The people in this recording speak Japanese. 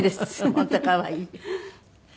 本当可愛い。